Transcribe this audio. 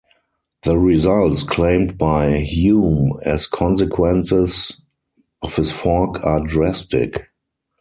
The results claimed by Hume as consequences of his fork are drastic.